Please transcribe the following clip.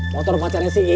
motor pacarnya si iin